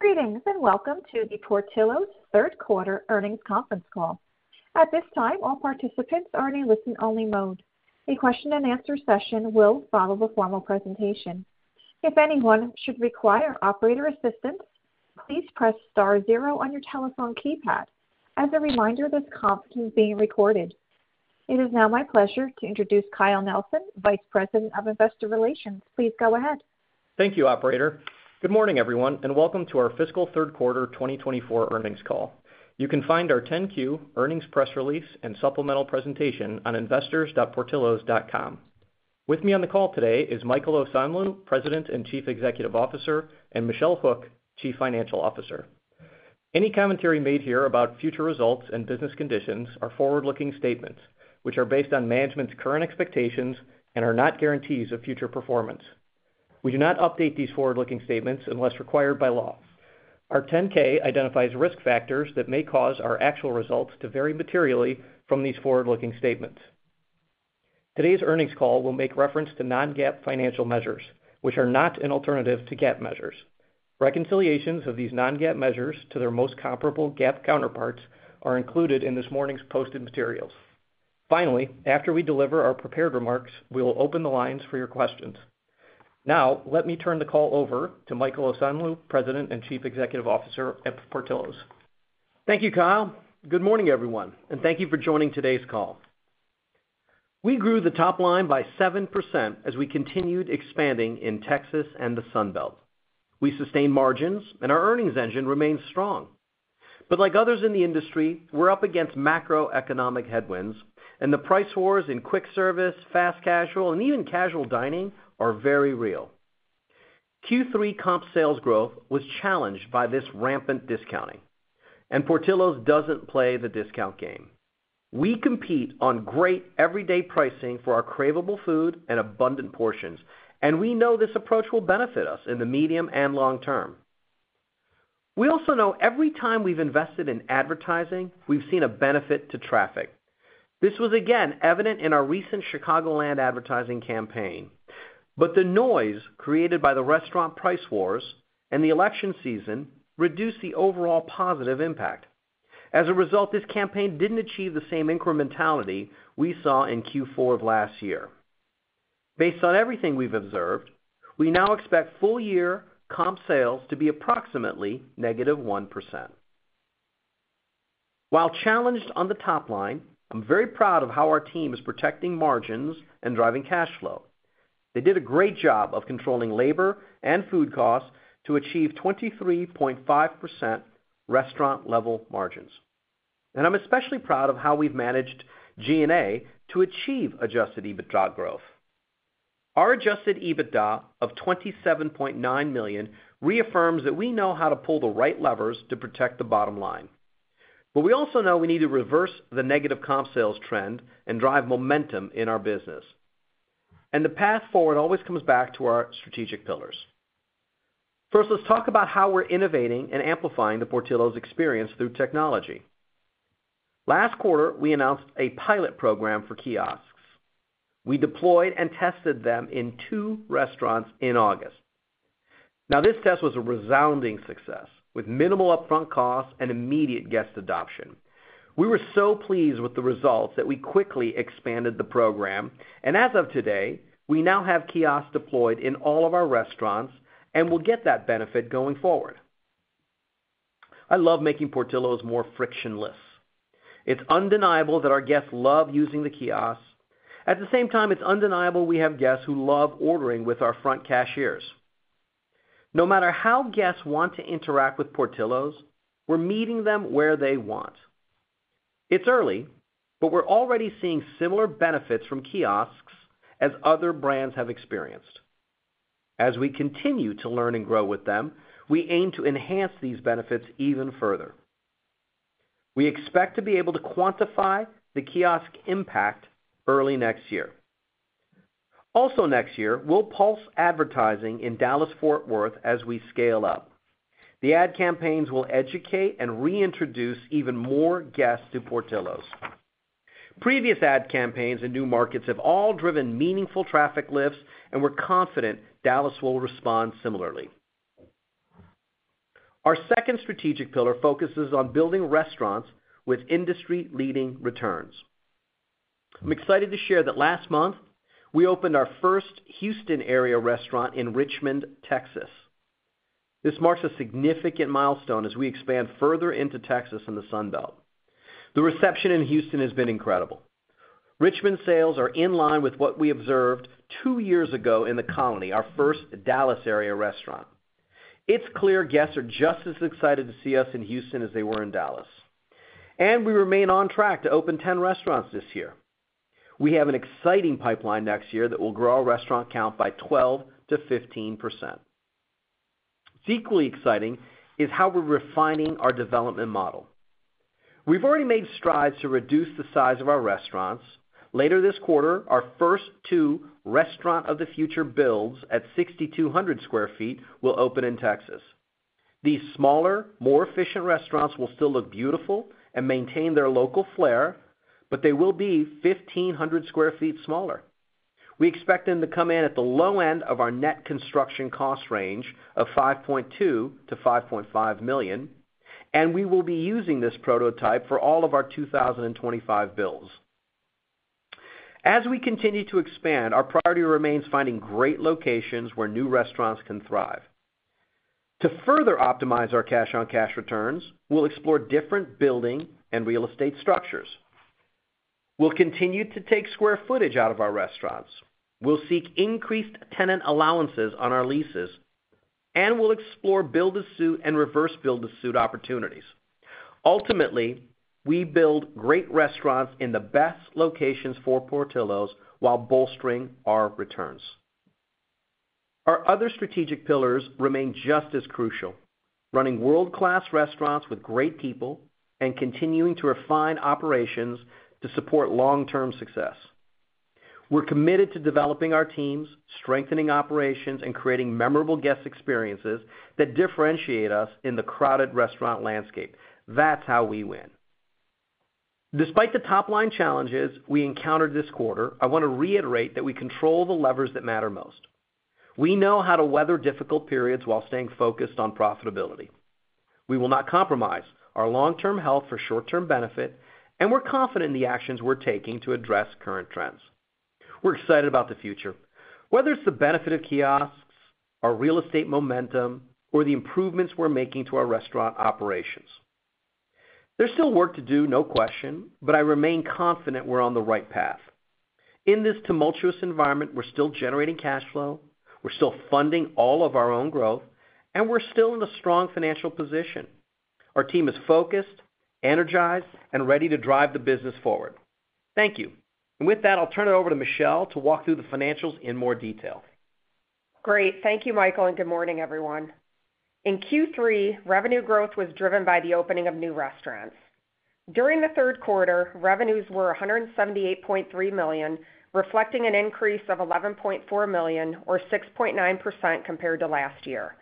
Greetings and welcome to the Portillo's Third Quarter Earnings Conference Call. At this time, all participants are in a listen-only mode. A question-and-answer session will follow the formal presentation. If anyone should require operator assistance, please press star zero on your telephone keypad. As a reminder, this conference is being recorded. It is now my pleasure to introduce Kyle Nelson, Vice President of Investor Relations. Please go ahead. Thank you, Operator. Good morning, everyone, and welcome to our Fiscal Third Quarter 2024 Earnings Call. You can find our 10-Q earnings press release and supplemental presentation on investors.portillos.com. With me on the call today is Michael Osanloo, President and Chief Executive Officer, and Michelle Hook, Chief Financial Officer. Any commentary made here about future results and business conditions are forward-looking statements, which are based on management's current expectations and are not guarantees of future performance. We do not update these forward-looking statements unless required by law. Our 10-K identifies risk factors that may cause our actual results to vary materially from these forward-looking statements. Today's earnings call will make reference to non-GAAP financial measures, which are not an alternative to GAAP measures. Reconciliations of these non-GAAP measures to their most comparable GAAP counterparts are included in this morning's posted materials. Finally, after we deliver our prepared remarks, we will open the lines for your questions. Now, let me turn the call over to Michael Osanloo, President and Chief Executive Officer at Portillo's. Thank you, Kyle. Good morning, everyone, and thank you for joining today's call. We grew the top line by 7% as we continued expanding in Texas and the Sunbelt. We sustained margins, and our earnings engine remained strong. But like others in the industry, we're up against macroeconomic headwinds, and the price wars in quick service, fast casual, and even casual dining are very real. Q3 comp sales growth was challenged by this rampant discounting, and Portillo's doesn't play the discount game. We compete on great everyday pricing for our craveable food and abundant portions, and we know this approach will benefit us in the medium and long term. We also know every time we've invested in advertising, we've seen a benefit to traffic. This was again evident in our recent Chicagoland advertising campaign, but the noise created by the restaurant price wars and the election season reduced the overall positive impact. As a result, this campaign didn't achieve the same incrementality we saw in Q4 of last year. Based on everything we've observed, we now expect full-year comp sales to be approximately negative 1%. While challenged on the top line, I'm very proud of how our team is protecting margins and driving cash flow. They did a great job of controlling labor and food costs to achieve 23.5% restaurant-level margins, and I'm especially proud of how we've managed G&A to achieve adjusted EBITDA growth. Our adjusted EBITDA of $27.9 million reaffirms that we know how to pull the right levers to protect the bottom line. But we also know we need to reverse the negative comp sales trend and drive momentum in our business. And the path forward always comes back to our strategic pillars. First, let's talk about how we're innovating and amplifying the Portillo's experience through technology. Last quarter, we announced a pilot program for kiosks. We deployed and tested them in two restaurants in August. Now, this test was a resounding success, with minimal upfront costs and immediate guest adoption. We were so pleased with the results that we quickly expanded the program, and as of today, we now have kiosks deployed in all of our restaurants and will get that benefit going forward. I love making Portillo's more frictionless. It's undeniable that our guests love using the kiosks. At the same time, it's undeniable we have guests who love ordering with our front cashiers. No matter how guests want to interact with Portillo's, we're meeting them where they want. It's early, but we're already seeing similar benefits from kiosks as other brands have experienced. As we continue to learn and grow with them, we aim to enhance these benefits even further. We expect to be able to quantify the kiosk impact early next year. Also, next year, we'll pulse advertising in Dallas-Fort Worth as we scale up. The ad campaigns will educate and reintroduce even more guests to Portillo's. Previous ad campaigns in new markets have all driven meaningful traffic lifts, and we're confident Dallas will respond similarly. Our second strategic pillar focuses on building restaurants with industry-leading returns. I'm excited to share that last month, we opened our first Houston area restaurant in Richmond, Texas. This marks a significant milestone as we expand further into Texas and the Sunbelt. The reception in Houston has been incredible. Richmond's sales are in line with what we observed two years ago in The Colony, our first Dallas area restaurant. It's clear guests are just as excited to see us in Houston as they were in Dallas. And we remain on track to open 10 restaurants this year. We have an exciting pipeline next year that will grow our restaurant count by 12%-15%. It's equally exciting how we're refining our development model. We've already made strides to reduce the size of our restaurants. Later this quarter, our first two Restaurant of the Future builds at 6,200 sq ft will open in Texas. These smaller, more efficient restaurants will still look beautiful and maintain their local flair, but they will be 1,500 sq ft smaller. We expect them to come in at the low end of our net construction cost range of $5.2 million-$5.5 million, and we will be using this prototype for all of our 2025 builds. As we continue to expand, our priority remains finding great locations where new restaurants can thrive. To further optimize our cash-on-cash returns, we'll explore different building and real estate structures. We'll continue to take square footage out of our restaurants. We'll seek increased tenant allowances on our leases, and we'll explore build-to-suit and reverse build-to-suit opportunities. Ultimately, we build great restaurants in the best locations for Portillo's while bolstering our returns. Our other strategic pillars remain just as crucial: running world-class restaurants with great people and continuing to refine operations to support long-term success. We're committed to developing our teams, strengthening operations, and creating memorable guest experiences that differentiate us in the crowded restaurant landscape. That's how we win. Despite the top-line challenges we encountered this quarter, I want to reiterate that we control the levers that matter most. We know how to weather difficult periods while staying focused on profitability. We will not compromise our long-term health for short-term benefit, and we're confident in the actions we're taking to address current trends. We're excited about the future, whether it's the benefit of kiosks, our real estate momentum, or the improvements we're making to our restaurant operations. There's still work to do, no question, but I remain confident we're on the right path. In this tumultuous environment, we're still generating cash flow, we're still funding all of our own growth, and we're still in a strong financial position. Our team is focused, energized, and ready to drive the business forward. Thank you. With that, I'll turn it over to Michelle to walk through the financials in more detail. Great. Thank you, Michael, and good morning, everyone. In Q3, revenue growth was driven by the opening of new restaurants. During the third quarter, revenues were $178.3 million, reflecting an increase of $11.4 million, or 6.9% compared to last year.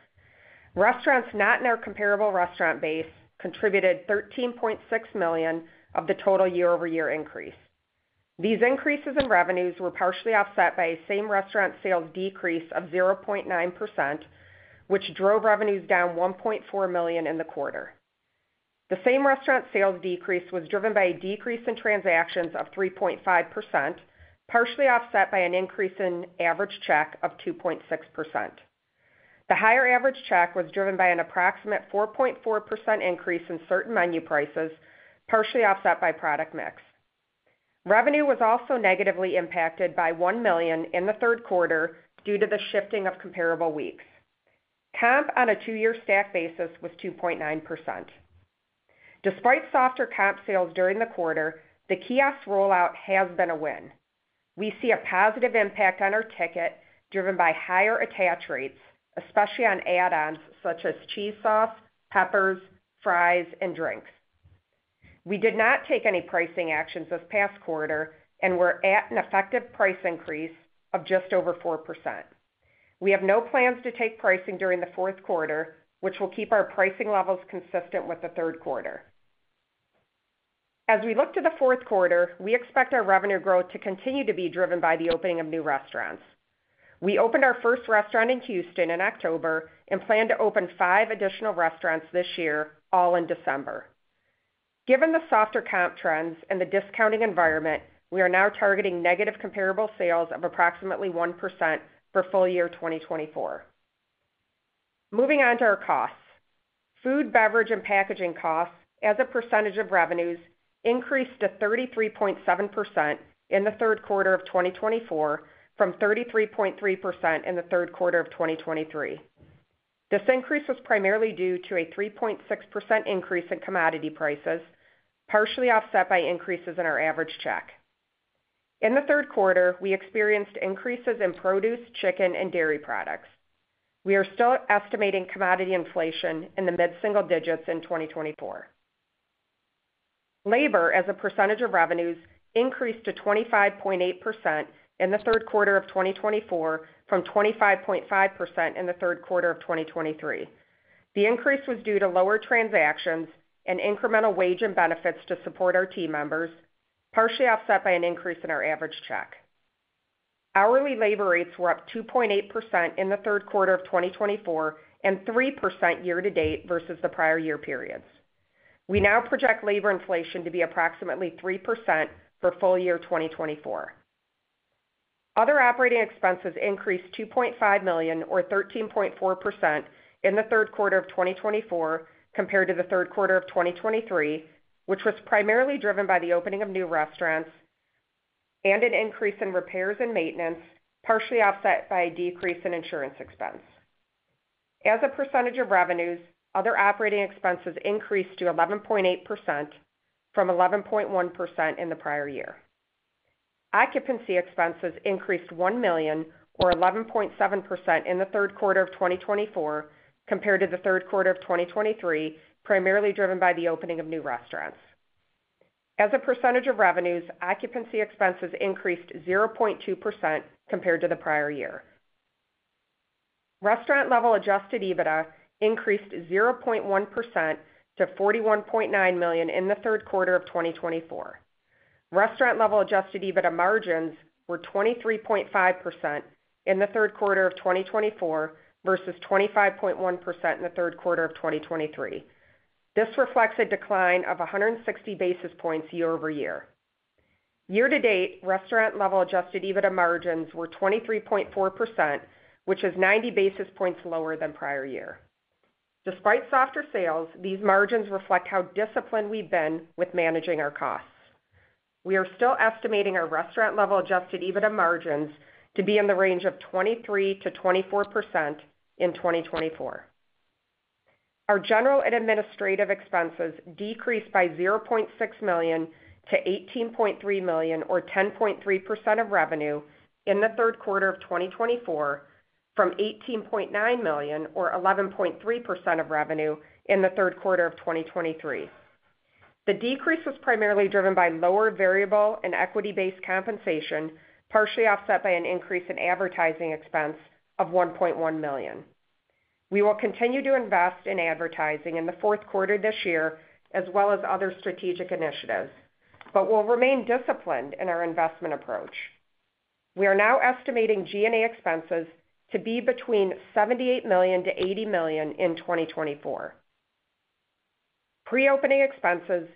Restaurants not in our comparable restaurant base contributed $13.6 million of the total year-over-year increase. These increases in revenues were partially offset by a same restaurant sales decrease of 0.9%, which drove revenues down $1.4 million in the quarter. The same restaurant sales decrease was driven by a decrease in transactions of 3.5%, partially offset by an increase in average check of 2.6%. The higher average check was driven by an approximate 4.4% increase in certain menu prices, partially offset by product mix. Revenue was also negatively impacted by $1 million in the third quarter due to the shifting of comparable weeks. Comp on a two-year stack basis was 2.9%. Despite softer comp sales during the quarter, the kiosk rollout has been a win. We see a positive impact on our ticket driven by higher attach rates, especially on add-ons such as cheese sauce, peppers, fries, and drinks. We did not take any pricing actions this past quarter and were at an effective price increase of just over 4%. We have no plans to take pricing during the fourth quarter, which will keep our pricing levels consistent with the third quarter. As we look to the fourth quarter, we expect our revenue growth to continue to be driven by the opening of new restaurants. We opened our first restaurant in Houston in October and plan to open five additional restaurants this year, all in December. Given the softer comp trends and the discounting environment, we are now targeting negative comparable sales of approximately 1% for full year 2024. Moving on to our costs. Food, beverage, and packaging costs, as a percentage of revenues, increased to 33.7% in the third quarter of 2024 from 33.3% in the third quarter of 2023. This increase was primarily due to a 3.6% increase in commodity prices, partially offset by increases in our average check. In the third quarter, we experienced increases in produce, chicken, and dairy products. We are still estimating commodity inflation in the mid-single digits in 2024. Labor, as a percentage of revenues, increased to 25.8% in the third quarter of 2024 from 25.5% in the third quarter of 2023. The increase was due to lower transactions and incremental wage and benefits to support our team members, partially offset by an increase in our average check. Hourly labor rates were up 2.8% in the third quarter of 2024 and 3% year-to-date versus the prior year periods. We now project labor inflation to be approximately 3% for full year 2024. Other operating expenses increased $2.5 million, or 13.4%, in the third quarter of 2024 compared to the third quarter of 2023, which was primarily driven by the opening of new restaurants and an increase in repairs and maintenance, partially offset by a decrease in insurance expense. As a percentage of revenues, other operating expenses increased to 11.8% from 11.1% in the prior year. Occupancy expenses increased $1 million, or 11.7%, in the third quarter of 2024 compared to the third quarter of 2023, primarily driven by the opening of new restaurants. As a percentage of revenues, occupancy expenses increased 0.2% compared to the prior year. Restaurant-level adjusted EBITDA increased 0.1% to $41.9 million in the third quarter of 2024. Restaurant-level adjusted EBITDA margins were 23.5% in the third quarter of 2024 versus 25.1% in the third quarter of 2023. This reflects a decline of 160 basis points year-over-year. Year-to-date, restaurant-level adjusted EBITDA margins were 23.4%, which is 90 basis points lower than prior year. Despite softer sales, these margins reflect how disciplined we've been with managing our costs. We are still estimating our restaurant-level adjusted EBITDA margins to be in the range of 23%-24% in 2024. Our general and administrative expenses decreased by $0.6 million to $18.3 million, or 10.3% of revenue in the third quarter of 2024 from $18.9 million, or 11.3% of revenue in the third quarter of 2023. The decrease was primarily driven by lower variable and equity-based compensation, partially offset by an increase in advertising expense of $1.1 million. We will continue to invest in advertising in the fourth quarter this year, as well as other strategic initiatives, but we'll remain disciplined in our investment approach. We are now estimating G&A expenses to be between $78 million to $80 million in 2024. Pre-opening expenses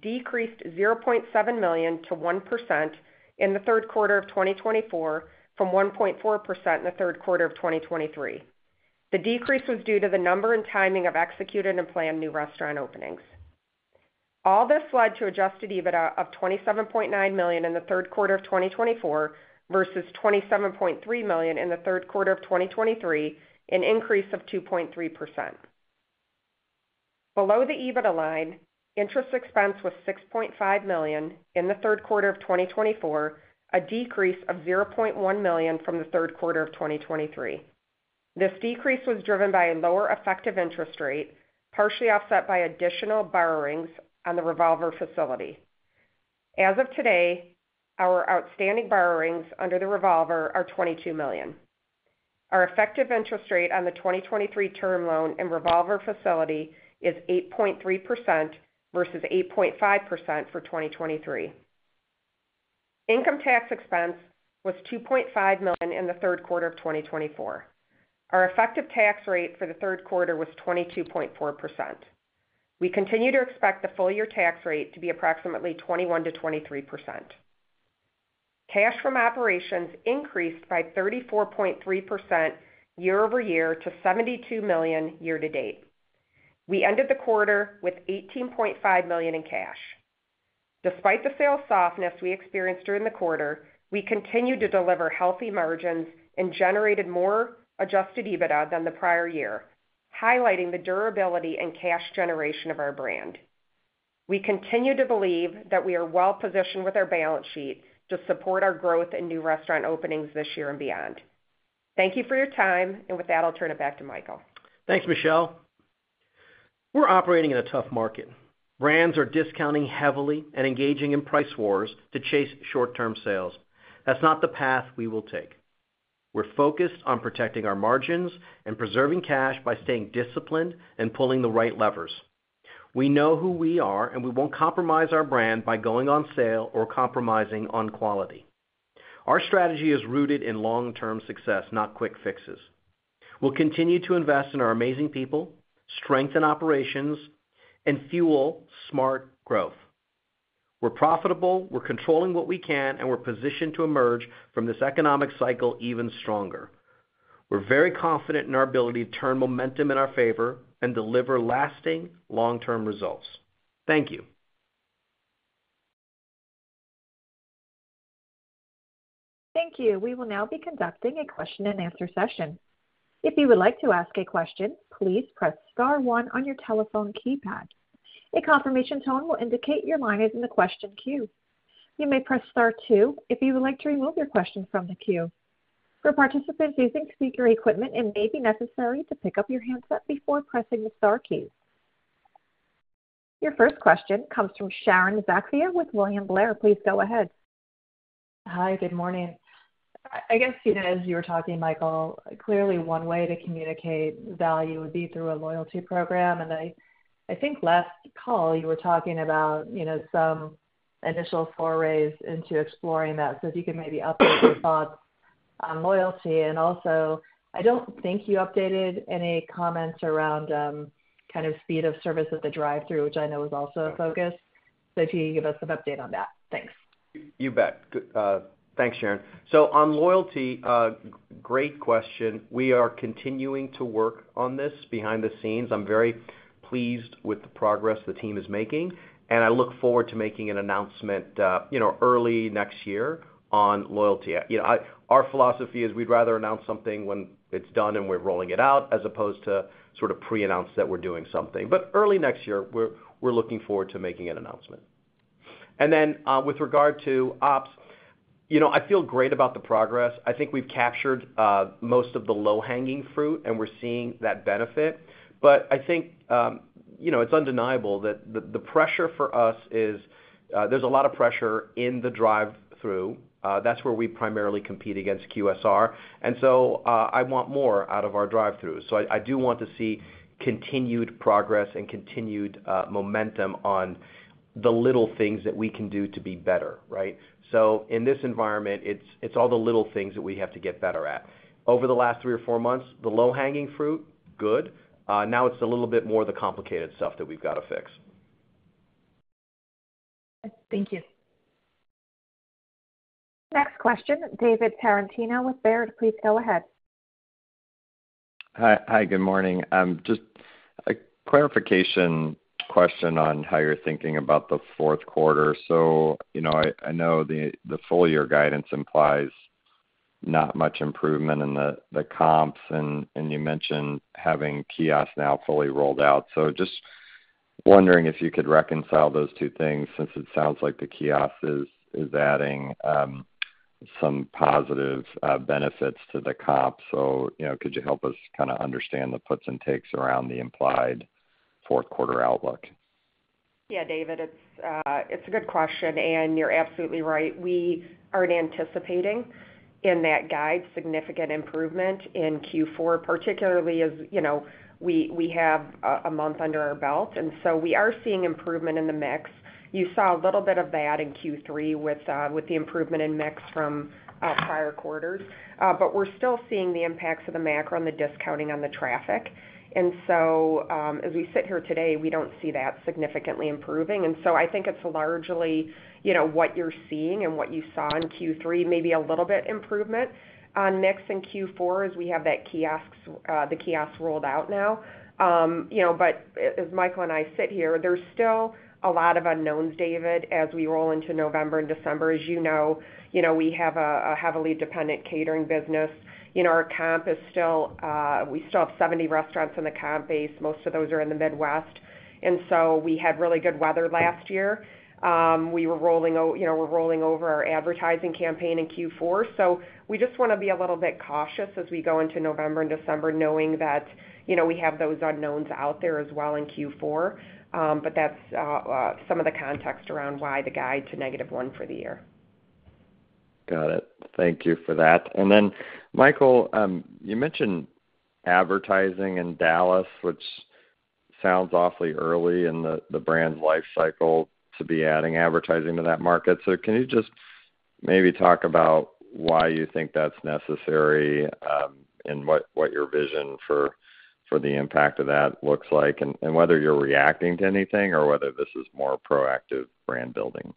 decreased $0.7 million to 1% in the third quarter of 2024 from 1.4% in the third quarter of 2023. The decrease was due to the number and timing of executed and planned new restaurant openings. All this led to adjusted EBITDA of $27.9 million in the third quarter of 2024 versus $27.3 million in the third quarter of 2023, an increase of 2.3%. Below the EBITDA line, interest expense was $6.5 million in the third quarter of 2024, a decrease of $0.1 million from the third quarter of 2023. This decrease was driven by a lower effective interest rate, partially offset by additional borrowings on the revolver facility. As of today, our outstanding borrowings under the revolver are $22 million. Our effective interest rate on the 2023 term loan and revolver facility is 8.3% versus 8.5% for 2023. Income tax expense was $2.5 million in the third quarter of 2024. Our effective tax rate for the third quarter was 22.4%. We continue to expect the full year tax rate to be approximately 21%-23%. Cash from operations increased by 34.3% year-over-year to $72 million year-to-date. We ended the quarter with $18.5 million in cash. Despite the sales softness we experienced during the quarter, we continue to deliver healthy margins and generated more Adjusted EBITDA than the prior year, highlighting the durability and cash generation of our brand. We continue to believe that we are well-positioned with our balance sheet to support our growth in new restaurant openings this year and beyond. Thank you for your time, and with that, I'll turn it back to Michael. Thanks, Michelle. We're operating in a tough market. Brands are discounting heavily and engaging in price wars to chase short-term sales. That's not the path we will take. We're focused on protecting our margins and preserving cash by staying disciplined and pulling the right levers. We know who we are, and we won't compromise our brand by going on sale or compromising on quality. Our strategy is rooted in long-term success, not quick fixes. We'll continue to invest in our amazing people, strengthen operations, and fuel smart growth. We're profitable, we're controlling what we can, and we're positioned to emerge from this economic cycle even stronger. We're very confident in our ability to turn momentum in our favor and deliver lasting, long-term results. Thank you. Thank you. We will now be conducting a question-and-answer session. If you would like to ask a question, please press Star 1 on your telephone keypad. A confirmation tone will indicate your line is in the question queue. You may press Star 2 if you would like to remove your question from the queue. For participants using speaker equipment, it may be necessary to pick up your handset before pressing the Star key. Your first question comes from Sharon Zackfia with William Blair. Please go ahead. Hi, good morning. I guess, as you were talking, Michael, clearly one way to communicate value would be through a loyalty program. And I think last call, you were talking about some initial forays into exploring that. So if you could maybe update your thoughts on loyalty. And also, I don't think you updated any comments around kind of speed of service at the drive-through, which I know is also a focus. So if you could give us an update on that. Thanks. You bet. Thanks, Sharon. So on loyalty, great question. We are continuing to work on this behind the scenes. I'm very pleased with the progress the team is making, and I look forward to making an announcement early next year on loyalty. Our philosophy is we'd rather announce something when it's done and we're rolling it out, as opposed to sort of pre-announce that we're doing something, but early next year, we're looking forward to making an announcement. And then with regard to ops, I feel great about the progress. I think we've captured most of the low-hanging fruit, and we're seeing that benefit, but I think it's undeniable that the pressure for us is there's a lot of pressure in the drive-through. That's where we primarily compete against QSR, and so I want more out of our drive-throughs. So I do want to see continued progress and continued momentum on the little things that we can do to be better, right? So in this environment, it's all the little things that we have to get better at. Over the last three or four months, the low-hanging fruit, good. Now it's a little bit more of the complicated stuff that we've got to fix. Thank you. Next question, David Tarantino with Baird. Please go ahead. Hi, good morning. Just a clarification question on how you're thinking about the fourth quarter. So I know the full year guidance implies not much improvement in the comps, and you mentioned having kiosk now fully rolled out. So just wondering if you could reconcile those two things since it sounds like the kiosk is adding some positive benefits to the comp. So could you help us kind of understand the puts and takes around the implied fourth quarter outlook? Yeah, David, it's a good question, and you're absolutely right. We are anticipating in that guide significant improvement in Q4, particularly as we have a month under our belt, and so we are seeing improvement in the mix. You saw a little bit of that in Q3 with the improvement in mix from prior quarters, but we're still seeing the impacts of the macro on the discounting on the traffic. And so as we sit here today, we don't see that significantly improving, and so I think it's largely what you're seeing and what you saw in Q3, maybe a little bit improvement on mix in Q4 as we have the kiosk rolled out now, but as Michael and I sit here, there's still a lot of unknowns, David, as we roll into November and December. As you know, we have a heavily dependent catering business. Our comp is still. We still have 70 restaurants in the comp base. Most of those are in the Midwest, and so we had really good weather last year. We were rolling over our advertising campaign in Q4, so we just want to be a little bit cautious as we go into November and December, knowing that we have those unknowns out there as well in Q4, but that's some of the context around why the guide to negative 1% for the year. Got it. Thank you for that. And then, Michael, you mentioned advertising in Dallas, which sounds awfully early in the brand's lifecycle to be adding advertising to that market. So can you just maybe talk about why you think that's necessary and what your vision for the impact of that looks like and whether you're reacting to anything or whether this is more proactive brand building?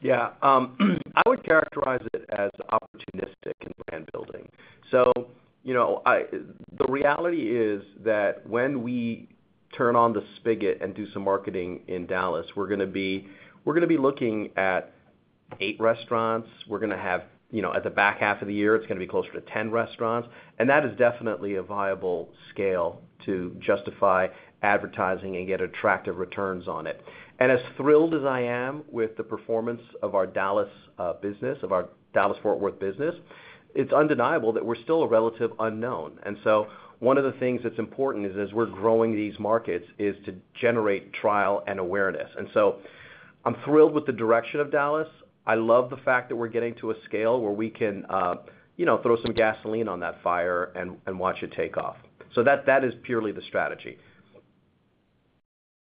Yeah. I would characterize it as opportunistic in brand building. So the reality is that when we turn on the spigot and do some marketing in Dallas, we're going to be looking at eight restaurants. We're going to have at the back half of the year. It's going to be closer to 10 restaurants. And that is definitely a viable scale to justify advertising and get attractive returns on it. And as thrilled as I am with the performance of our Dallas business, of our Dallas-Fort Worth business, it's undeniable that we're still a relative unknown. And so one of the things that's important is as we're growing these markets is to generate trial and awareness. And so I'm thrilled with the direction of Dallas. I love the fact that we're getting to a scale where we can throw some gasoline on that fire and watch it take off. So that is purely the strategy.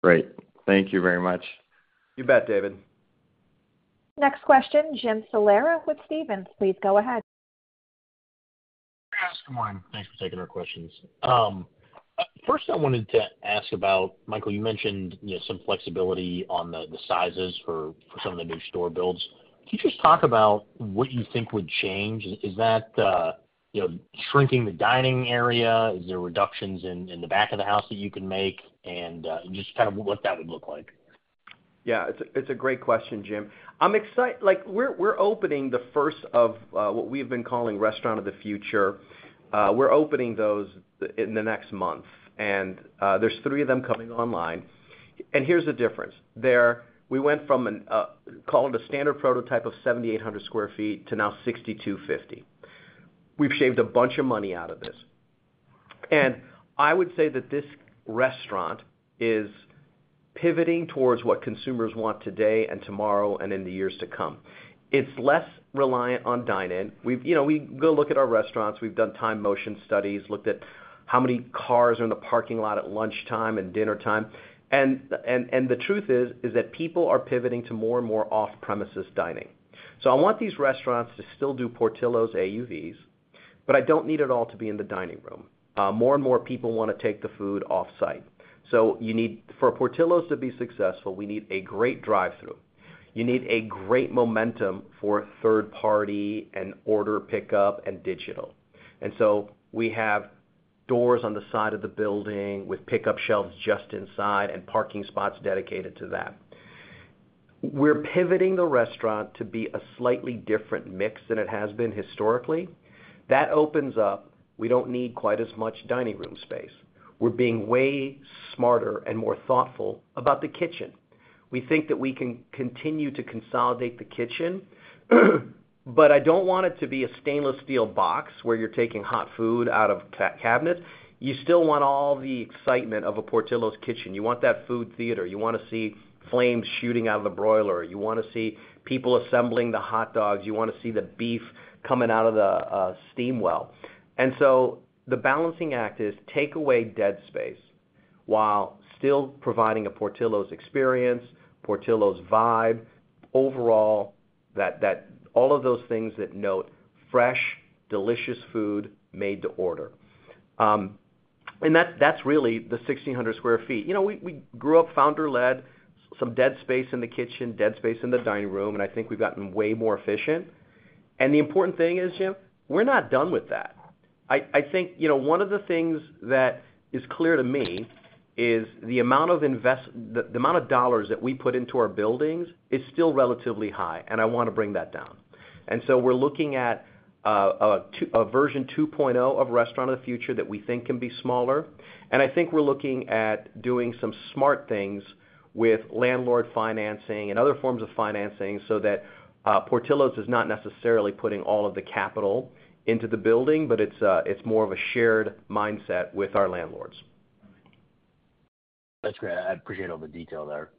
Great. Thank you very much. You bet, David. Next question, Jim Salera with Stephens. Please go ahead. Hi, guys. Good morning. Thanks for taking our questions. First, I wanted to ask about, Michael, you mentioned some flexibility on the sizes for some of the new store builds. Can you just talk about what you think would change? Is that shrinking the dining area? Is there reductions in the back of the house that you can make? And just kind of what that would look like? Yeah. It's a great question, Jim. We're opening the first of what we have been calling Restaurant of the Future. We're opening those in the next month. And there's three of them coming online. And here's the difference. We went from a standard prototype of 7,800 sq ft to now 6,250. We've shaved a bunch of money out of this. And I would say that this restaurant is pivoting towards what consumers want today and tomorrow and in the years to come. It's less reliant on dine-in. We go look at our restaurants. We've done time motion studies, looked at how many cars are in the parking lot at lunchtime and dinnertime. And the truth is that people are pivoting to more and more off-premises dining. So I want these restaurants to still do Portillo's AUVs, but I don't need it all to be in the dining room. More and more people want to take the food off-site. For Portillo's to be successful, we need a great drive-through. You need a great momentum for third-party and order pickup and digital. We have doors on the side of the building with pickup shelves just inside and parking spots dedicated to that. We're pivoting the restaurant to be a slightly different mix than it has been historically. That opens up. We don't need quite as much dining room space. We're being way smarter and more thoughtful about the kitchen. We think that we can continue to consolidate the kitchen, but I don't want it to be a stainless steel box where you're taking hot food out of cabinets. You still want all the excitement of a Portillo's kitchen. You want that food theater. You want to see flames shooting out of the broiler. You want to see people assembling the hot dogs. You want to see the beef coming out of the steam well. And so the balancing act is take away dead space while still providing a Portillo's experience, Portillo's vibe, overall, all of those things that denote fresh, delicious food made to order. And that's really the 1,600 sq ft. We grew up founder-led, some dead space in the kitchen, dead space in the dining room, and I think we've gotten way more efficient. And the important thing is, Jim, we're not done with that. I think one of the things that is clear to me is the amount of dollars that we put into our buildings is still relatively high, and I want to bring that down. And so we're looking at a version 2.0 of Restaurant of the Future that we think can be smaller. I think we're looking at doing some smart things with landlord financing and other forms of financing so that Portillo's is not necessarily putting all of the capital into the building, but it's more of a shared mindset with our landlords. That's great. I appreciate all the detail there.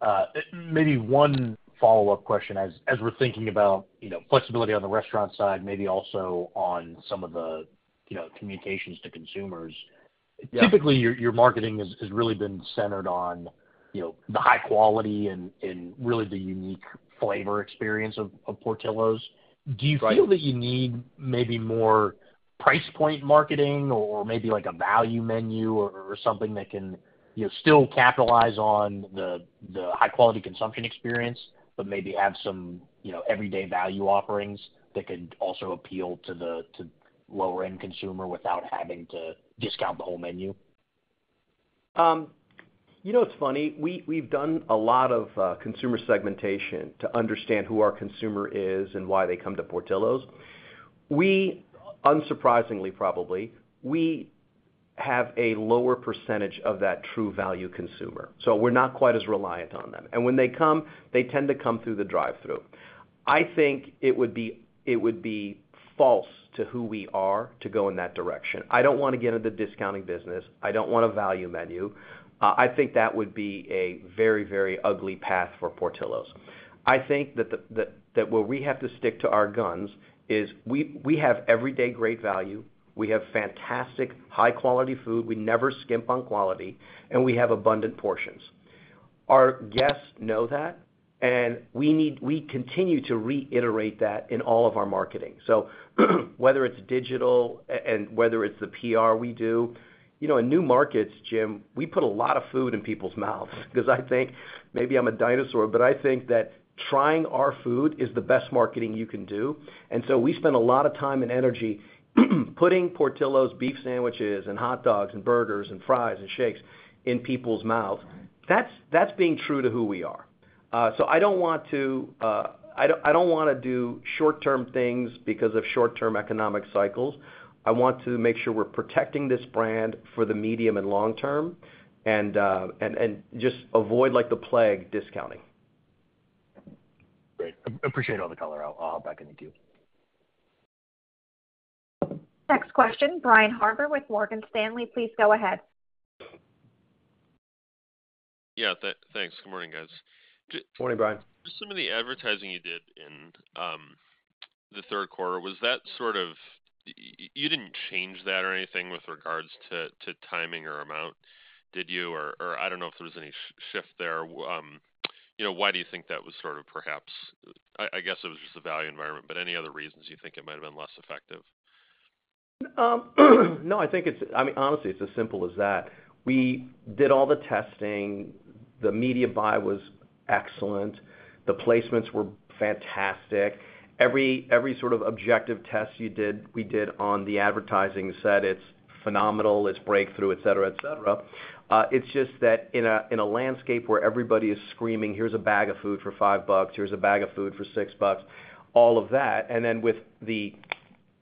Maybe one follow-up question as we're thinking about flexibility on the restaurant side, maybe also on some of the communications to consumers. Typically, your marketing has really been centered on the high quality and really the unique flavor experience of Portillo's. Do you feel that you need maybe more price point marketing or maybe a value menu or something that can still capitalize on the high-quality consumption experience, but maybe have some everyday value offerings that can also appeal to the lower-end consumer without having to discount the whole menu? You know what's funny? We've done a lot of consumer segmentation to understand who our consumer is and why they come to Portillo's. Unsurprisingly, probably, we have a lower percentage of that true value consumer. So we're not quite as reliant on them. And when they come, they tend to come through the drive-through. I think it would be false to who we are to go in that direction. I don't want to get into the discounting business. I don't want a value menu. I think that would be a very, very ugly path for Portillo's. I think that where we have to stick to our guns is we have everyday great value. We have fantastic high-quality food. We never skimp on quality. And we have abundant portions. Our guests know that. And we continue to reiterate that in all of our marketing. So whether it's digital and whether it's the PR we do, in new markets, Jim, we put a lot of food in people's mouths because I think maybe I'm a dinosaur, but I think that trying our food is the best marketing you can do. And so we spend a lot of time and energy putting Portillo's beef sandwiches and hot dogs and burgers and fries and shakes in people's mouths. That's being true to who we are. I don't want to do short-term things because of short-term economic cycles. I want to make sure we're protecting this brand for the medium and long term and just avoid the plague discounting. Great. Appreciate all the color. I'll hop back in to you. Next question, Brian Harbour with Morgan Stanley. Please go ahead. Yeah. Thanks. Good morning, guys. Good morning, Brian. Just some of the advertising you did in the third quarter, was that sort of you didn't change that or anything with regards to timing or amount, did you? Or I don't know if there was any shift there. Why do you think that was sort of perhaps I guess it was just the value environment, but any other reasons you think it might have been less effective? No, I think it's I mean, honestly, it's as simple as that. We did all the testing. The media buy was excellent. The placements were fantastic. Every sort of objective test we did on the advertising said it's phenomenal, it's breakthrough, etc., etc. It's just that in a landscape where everybody is screaming, "Here's a bag of food for five bucks. Here's a bag of food for six bucks," all of that, and then with the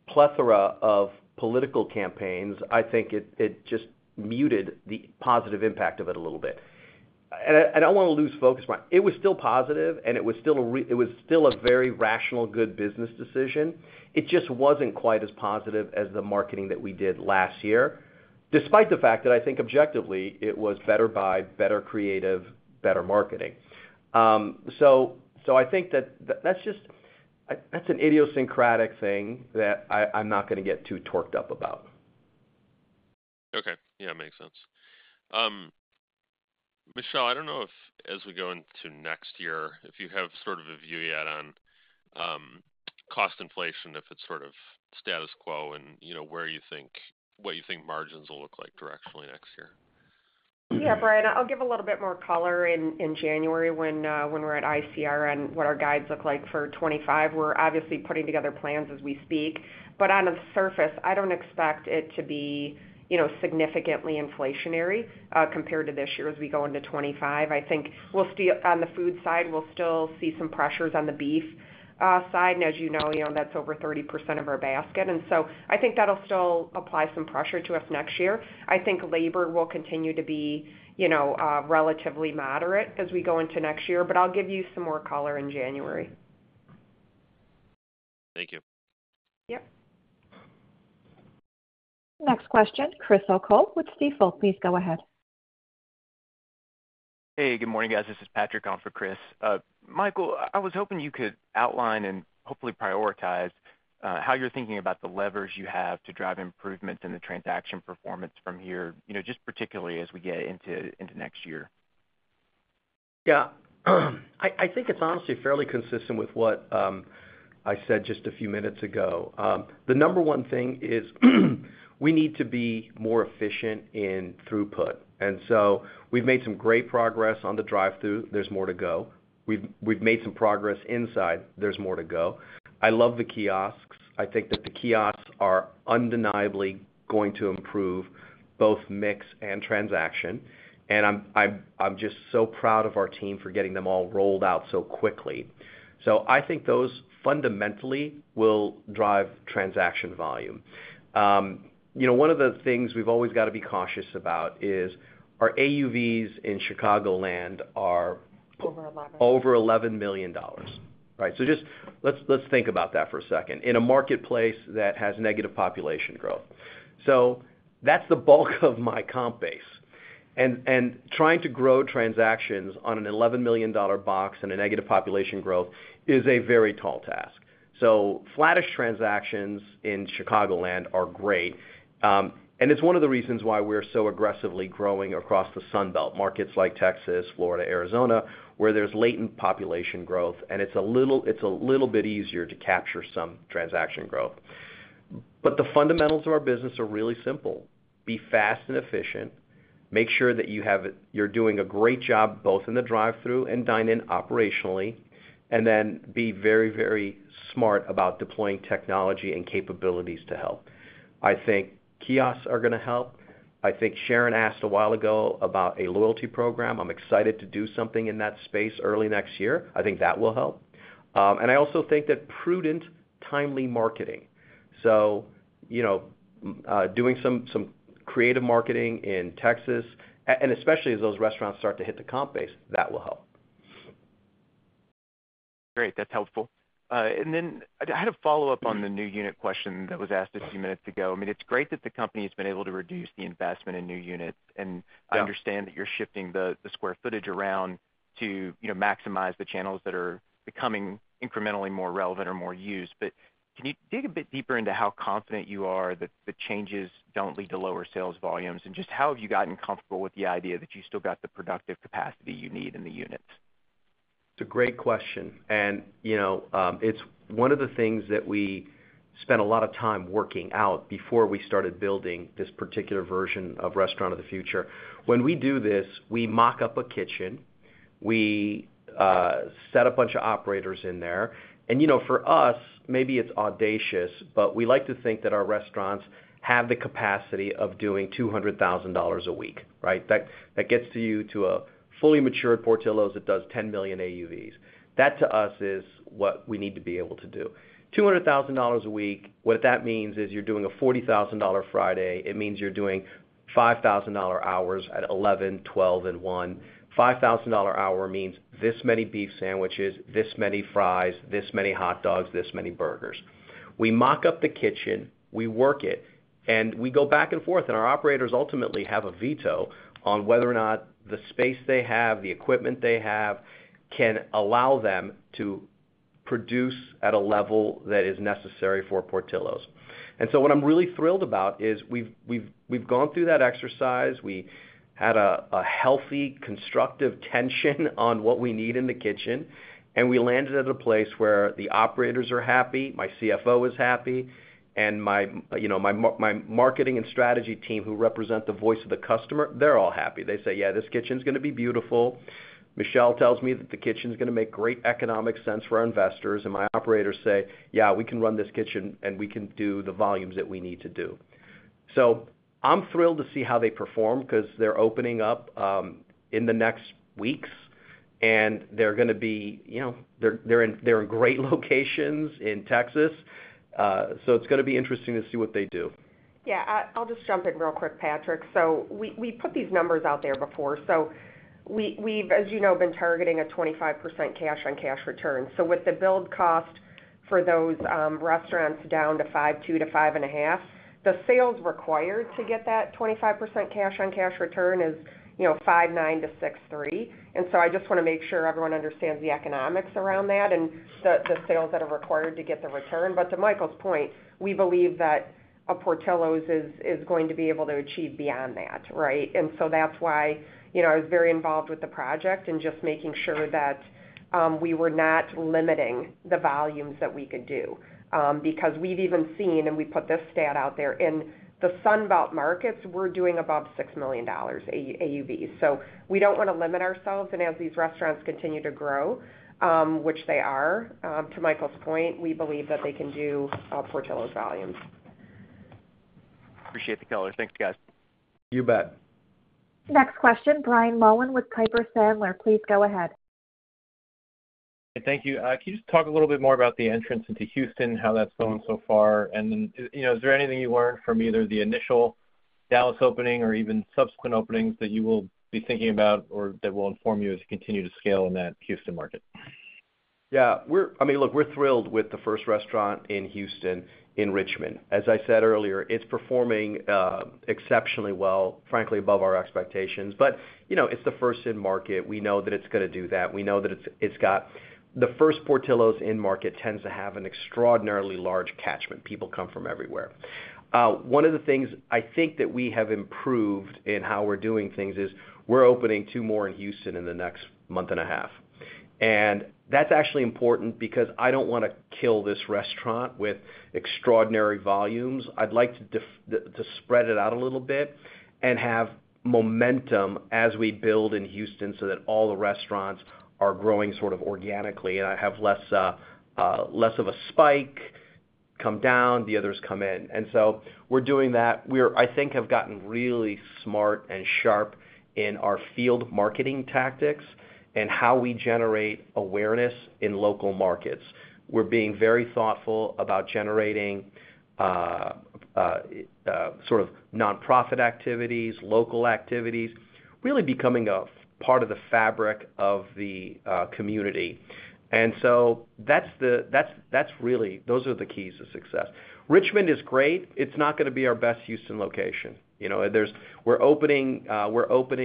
plethora of political campaigns, I think it just muted the positive impact of it a little bit, and I don't want to lose focus, Brian. It was still positive, and it was still a very rational, good business decision. It just wasn't quite as positive as the marketing that we did last year, despite the fact that I think objectively it was better buy, better creative, better marketing. So I think that that's an idiosyncratic thing that I'm not going to get too torqued up about. Okay. Yeah, makes sense. Michelle, I don't know if as we go into next year, if you have sort of a view yet on cost inflation, if it's sort of status quo and what you think margins will look like directionally next year. Yeah, Brian, I'll give a little bit more color in January when we're at ICR and what our guides look like for 2025. We're obviously putting together plans as we speak. But on the surface, I don't expect it to be significantly inflationary compared to this year as we go into 2025. I think on the food side, we'll still see some pressures on the beef side. And as you know, that's over 30% of our basket. And so I think that'll still apply some pressure to us next year. I think labor will continue to be relatively moderate as we go into next year. But I'll give you some more color in January. Thank you. Yep. Next question, Chris O'Cull with Stifel. Please go ahead. Hey, good morning, guys. This is Patrick calling for Chris. Michael, I was hoping you could outline and hopefully prioritize how you're thinking about the levers you have to drive improvements in the transaction performance from here, just particularly as we get into next year. Yeah. I think it's honestly fairly consistent with what I said just a few minutes ago. The number one thing is we need to be more efficient in throughput. And so we've made some great progress on the drive-through. There's more to go. We've made some progress inside. There's more to go. I love the kiosks. I think that the kiosks are undeniably going to improve both mix and transaction. And I'm just so proud of our team for getting them all rolled out so quickly. So I think those fundamentally will drive transaction volume. One of the things we've always got to be cautious about is our AUVs in Chicagoland are over $11 million. Right. So just let's think about that for a second in a marketplace that has negative population growth. So that's the bulk of my comp base. And trying to grow transactions on an $11 million box and a negative population growth is a very tall task. So flattish transactions in Chicagoland are great. And it's one of the reasons why we're so aggressively growing across the Sunbelt markets like Texas, Florida, Arizona, where there's latent population growth, and it's a little bit easier to capture some transaction growth. But the fundamentals of our business are really simple. Be fast and efficient. Make sure that you're doing a great job both in the drive-through and dine-in operationally. And then be very, very smart about deploying technology and capabilities to help. I think kiosks are going to help. I think Sharon asked a while ago about a loyalty program. I'm excited to do something in that space early next year. I think that will help, and I also think that prudent, timely marketing, so doing some creative marketing in Texas, and especially as those restaurants start to hit the comp base, that will help. Great. That's helpful. And then I had a follow-up on the new unit question that was asked a few minutes ago. I mean, it's great that the company has been able to reduce the investment in new units. And I understand that you're shifting the square footage around to maximize the channels that are becoming incrementally more relevant or more used. But can you dig a bit deeper into how confident you are that the changes don't lead to lower sales volumes? And just how have you gotten comfortable with the idea that you still got the productive capacity you need in the units? It's a great question, and it's one of the things that we spent a lot of time working out before we started building this particular version of Restaurant of the Future. When we do this, we mock up a kitchen. We set a bunch of operators in there. And for us, maybe it's audacious, but we like to think that our restaurants have the capacity of doing $200,000 a week. Right? That gets you to a fully matured Portillo's that does $10 million AUVs. That to us is what we need to be able to do. $200,000 a week, what that means is you're doing a $40,000 Friday. It means you're doing $5,000 hours at 11, 12, and 1. $5,000 an hour means this many beef sandwiches, this many fries, this many hot dogs, this many burgers. We mock up the kitchen. We work it. And we go back and forth. And our operators ultimately have a veto on whether or not the space they have, the equipment they have can allow them to produce at a level that is necessary for Portillo's. And so what I'm really thrilled about is we've gone through that exercise. We had a healthy, constructive tension on what we need in the kitchen. And we landed at a place where the operators are happy. My CFO is happy. And my marketing and strategy team who represent the voice of the customer, they're all happy. They say, "Yeah, this kitchen's going to be beautiful." Michelle tells me that the kitchen's going to make great economic sense for our investors. My operators say, "Yeah, we can run this kitchen, and we can do the volumes that we need to do." So I'm thrilled to see how they perform because they're opening up in the next weeks. They're going to be in great locations in Texas. So it's going to be interesting to see what they do. Yeah. I'll just jump in real quick, Patrick. So we put these numbers out there before. So we've, as you know, been targeting a 25% cash-on-cash return. So with the build cost for those restaurants down to $5.2-$5.5, the sales required to get that 25% cash-on-cash return is $5.9-$6.3. And so I just want to make sure everyone understands the economics around that and the sales that are required to get the return. But to Michael's point, we believe that a Portillo's is going to be able to achieve beyond that. Right? And so that's why I was very involved with the project and just making sure that we were not limiting the volumes that we could do because we've even seen, and we put this stat out there, in the Sunbelt markets, we're doing above $6 million AUVs. So we don't want to limit ourselves. And as these restaurants continue to grow, which they are, to Michael's point, we believe that they can do Portillo's volumes. Appreciate the color. Thanks, guys. You bet. Next question, Brian Mullan with Piper Sandler. Please go ahead. Thank you. Can you just talk a little bit more about the entrance into Houston, how that's going so far? And then is there anything you learned from either the initial Dallas opening or even subsequent openings that you will be thinking about or that will inform you as you continue to scale in that Houston market? Yeah. I mean, look, we're thrilled with the first restaurant in Houston in Richmond. As I said earlier, it's performing exceptionally well, frankly, above our expectations. But it's the first in market. We know that it's going to do that. We know that it's got the first Portillo's in market tends to have an extraordinarily large catchment. People come from everywhere. One of the things I think that we have improved in how we're doing things is we're opening two more in Houston in the next month and a half. And that's actually important because I don't want to kill this restaurant with extraordinary volumes. I'd like to spread it out a little bit and have momentum as we build in Houston so that all the restaurants are growing sort of organically. And I have less of a spike come down, the others come in. And so we're doing that. We, I think, have gotten really smart and sharp in our field marketing tactics and how we generate awareness in local markets. We're being very thoughtful about generating sort of nonprofit activities, local activities, really becoming a part of the fabric of the community. And so that's really those are the keys to success. Richmond is great. It's not going to be our best Houston location. We're opening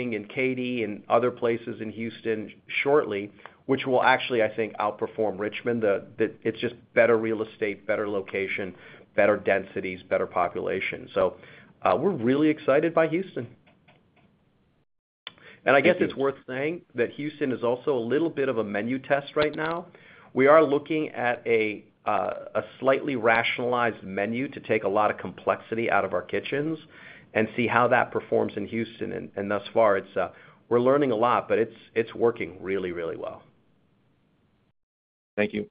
in Katy and other places in Houston shortly, which will actually, I think, outperform Richmond. It's just better real estate, better location, better densities, better population. So we're really excited by Houston. And I guess it's worth saying that Houston is also a little bit of a menu test right now. We are looking at a slightly rationalized menu to take a lot of complexity out of our kitchens and see how that performs in Houston. Thus far, we're learning a lot, but it's working really, really well. Thank you.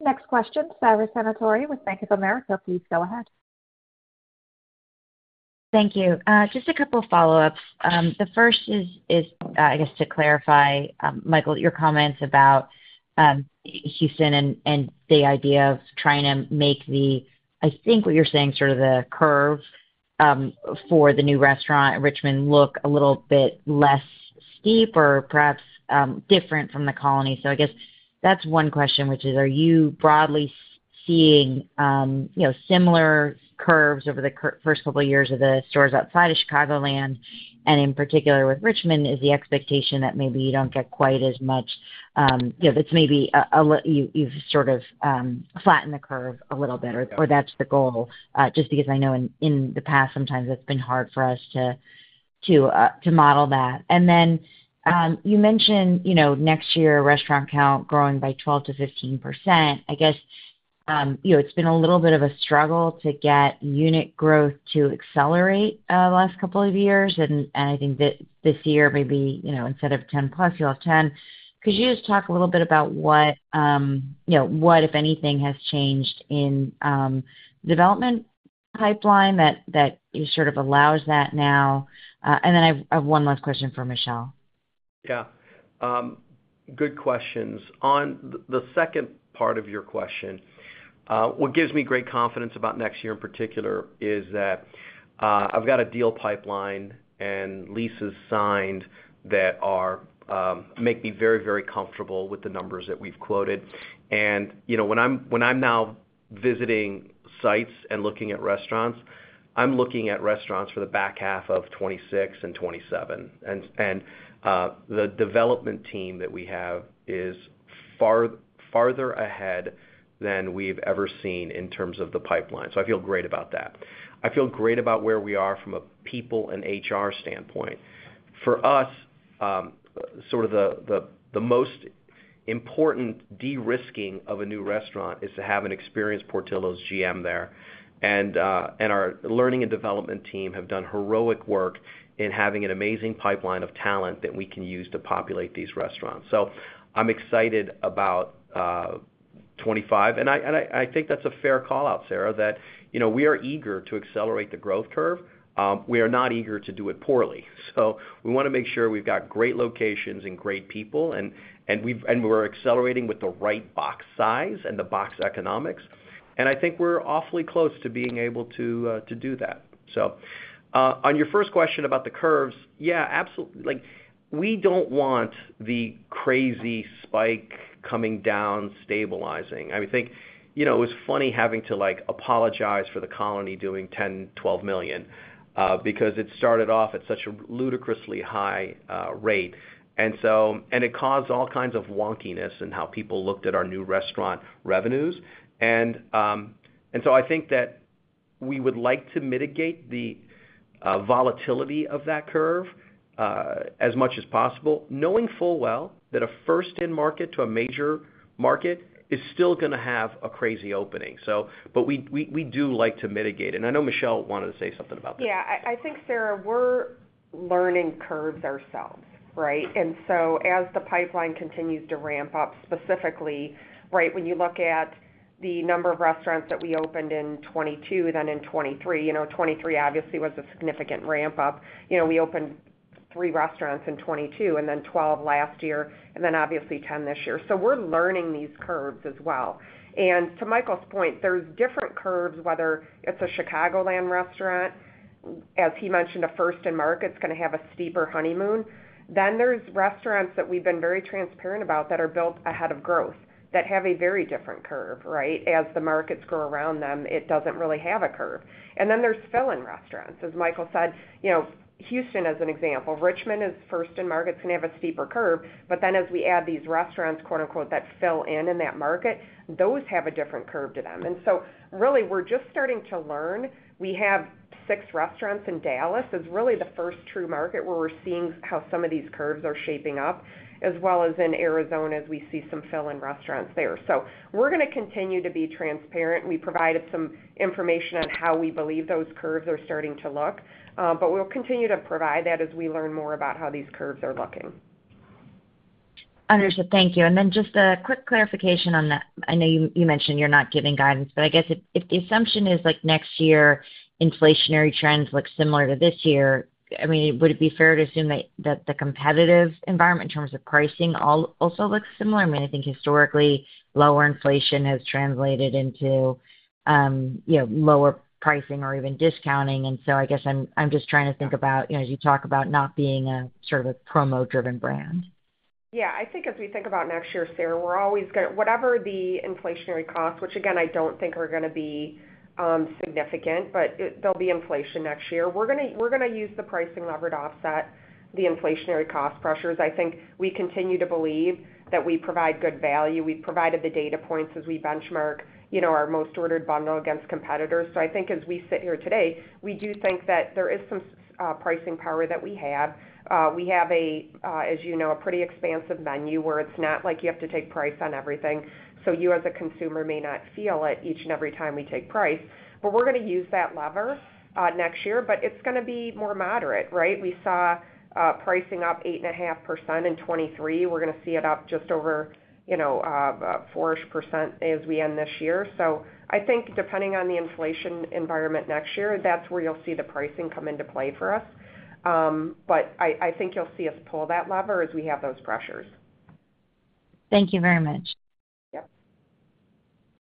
Next question, Sara Senatore with Bank of America. Please go ahead. Thank you. Just a couple of follow-ups. The first is, I guess, to clarify, Michael, your comments about Houston and the idea of trying to make the, I think what you're saying, sort of the curve for the new restaurant in Richmond look a little bit less steep or perhaps different from The Colony. So I guess that's one question, which is, are you broadly seeing similar curves over the first couple of years of the stores outside of Chicagoland? And in particular with Richmond, is the expectation that maybe you don't get quite as much that's maybe you've sort of flattened the curve a little bit, or that's the goal, just because I know in the past, sometimes it's been hard for us to model that. And then you mentioned next year, restaurant count growing by 12%-15%. I guess it's been a little bit of a struggle to get unit growth to accelerate the last couple of years. And I think that this year, maybe instead of 10 plus, you'll have 10. Could you just talk a little bit about what, if anything, has changed in the development pipeline that sort of allows that now? And then I have one last question for Michelle. Yeah. Good questions. On the second part of your question, what gives me great confidence about next year in particular is that I've got a deal pipeline and leases signed that make me very, very comfortable with the numbers that we've quoted. And when I'm now visiting sites and looking at restaurants, I'm looking at restaurants for the back half of 2026 and 2027. And the development team that we have is farther ahead than we've ever seen in terms of the pipeline. So I feel great about that. I feel great about where we are from a people and HR standpoint. For us, sort of the most important de-risking of a new restaurant is to have an experienced Portillo's GM there. And our learning and development team have done heroic work in having an amazing pipeline of talent that we can use to populate these restaurants. So I'm excited about 2025. And I think that's a fair callout, Sara, that we are eager to accelerate the growth curve. We are not eager to do it poorly. So we want to make sure we've got great locations and great people. And we're accelerating with the right box size and the box economics. And I think we're awfully close to being able to do that. So on your first question about the curves, yeah, absolutely. We don't want the crazy spike coming down, stabilizing. I think it was funny having to apologize for The Colony doing $10-$12 million because it started off at such a ludicrously high rate. And it caused all kinds of wonkiness in how people looked at our new restaurant revenues. And so I think that we would like to mitigate the volatility of that curve as much as possible, knowing full well that a first-in market to a major market is still going to have a crazy opening. But we do like to mitigate. And I know Michelle wanted to say something about that. Yeah. I think, Sara, we're learning curves ourselves. Right? And so as the pipeline continues to ramp up, specifically, right, when you look at the number of restaurants that we opened in 2022, then in 2023, 2023 obviously was a significant ramp-up. We opened three restaurants in 2022 and then 12 last year, and then obviously 10 this year. So we're learning these curves as well. And to Michael's point, there's different curves, whether it's a Chicagoland restaurant. As he mentioned, a first-in market's going to have a steeper honeymoon. Then there's restaurants that we've been very transparent about that are built ahead of growth that have a very different curve. Right? As the markets grow around them, it doesn't really have a curve. And then there's fill-in restaurants. As Michael said, Houston as an example. Richmond is first-in market. It's going to have a steeper curve. But then as we add these restaurants that "fill in" in that market, those have a different curve to them. And so really, we're just starting to learn. We have six restaurants in Dallas. It's really the first true market where we're seeing how some of these curves are shaping up, as well as in Arizona as we see some fill-in restaurants there. So we're going to continue to be transparent. We provided some information on how we believe those curves are starting to look. But we'll continue to provide that as we learn more about how these curves are looking. Understood. Thank you. And then just a quick clarification on that. I know you mentioned you're not giving guidance, but I guess if the assumption is next year's inflationary trends look similar to this year, I mean, would it be fair to assume that the competitive environment in terms of pricing also looks similar? I mean, I think historically, lower inflation has translated into lower pricing or even discounting. And so I guess I'm just trying to think about as you talk about not being sort of a promo-driven brand. Yeah. I think as we think about next year, Sara, we're always going to whatever the inflationary costs, which again, I don't think are going to be significant, but there'll be inflation next year. We're going to use the pricing lever to offset the inflationary cost pressures. I think we continue to believe that we provide good value. We've provided the data points as we benchmark our most ordered bundle against competitors. So I think as we sit here today, we do think that there is some pricing power that we have. We have, as you know, a pretty expansive menu where it's not like you have to take price on everything. So you, as a consumer, may not feel it each and every time we take price. But we're going to use that lever next year, but it's going to be more moderate. Right? We saw pricing up 8.5% in 2023. We're going to see it up just over 4-ish% as we end this year. So I think depending on the inflation environment next year, that's where you'll see the pricing come into play for us. But I think you'll see us pull that lever as we have those pressures. Thank you very much. Yep.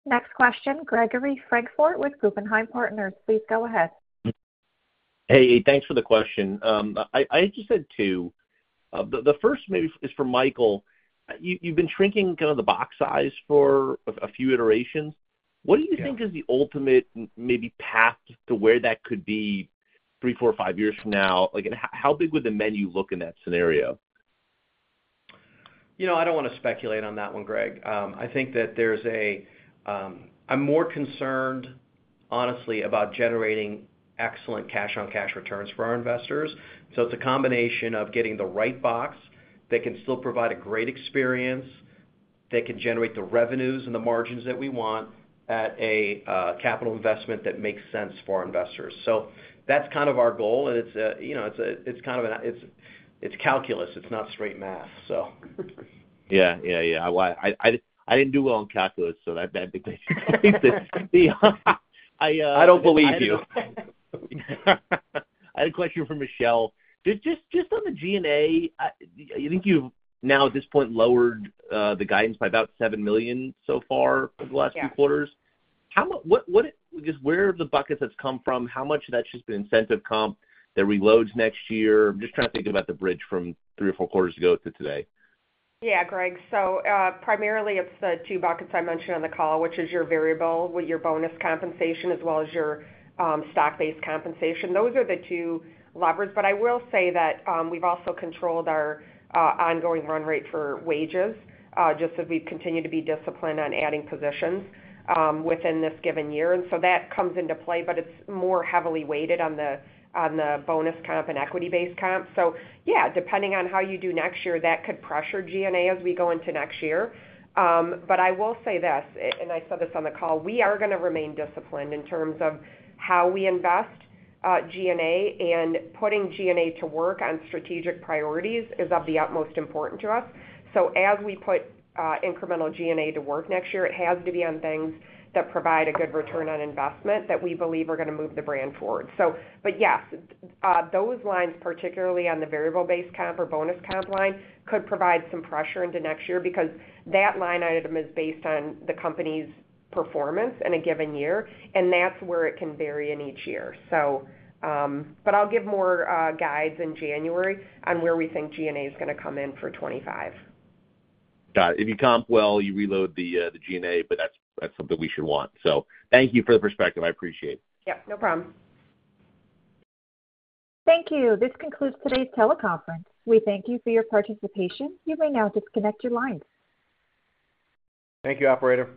Next question, Gregory Francfort with Guggenheim Partners. Please go ahead. Hey, thanks for the question. I just had two. The first maybe is for Michael. You've been shrinking kind of the box size for a few iterations. What do you think is the ultimate maybe path to where that could be three, four, five years from now? How big would the menu look in that scenario? I don't want to speculate on that one, Greg. I think I'm more concerned, honestly, about generating excellent cash-on-cash returns for our investors. So it's a combination of getting the right box that can still provide a great experience, that can generate the revenues and the margins that we want at a capital investment that makes sense for our investors. So that's kind of our goal, and it's kind of a calculus. It's not straight math, so. Yeah. I didn't do well on calculus, so that's the. I don't believe you. I had a question for Michelle. Just on the G&A, I think you've now, at this point, lowered the guidance by about $7 million so far over the last few quarters. Where have the buckets that's come from? How much of that's just been incentive comp that reloads next year? I'm just trying to think about the bridge from three or four quarters ago to today. Yeah, Greg. So primarily, it's the two buckets I mentioned on the call, which is your variable, your bonus compensation, as well as your stock-based compensation. Those are the two levers. But I will say that we've also controlled our ongoing run rate for wages just as we've continued to be disciplined on adding positions within this given year. And so that comes into play, but it's more heavily weighted on the bonus comp and equity-based comp. So yeah, depending on how you do next year, that could pressure G&A as we go into next year. But I will say this, and I said this on the call, we are going to remain disciplined in terms of how we invest G&A. And putting G&A to work on strategic priorities is of the utmost importance to us. As we put incremental G&A to work next year, it has to be on things that provide a good return on investment that we believe are going to move the brand forward. But yes, those lines, particularly on the variable-based comp or bonus comp line, could provide some pressure into next year because that line item is based on the company's performance in a given year. And that's where it can vary in each year. But I'll give more guidance in January on where we think G&A is going to come in for 2025. Got it. If you comp well, you reload the G&A, but that's something we should want. So thank you for the perspective. I appreciate it. Yep. No problem. Thank you. This concludes today's teleconference. We thank you for your participation. You may now disconnect your lines. Thank you, operator.